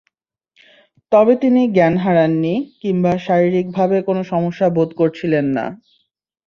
তবে তিনি জ্ঞান হারাননি কিংবা শারীরিকভাবে কোনো সমস্যা বোধ করছিলেন না।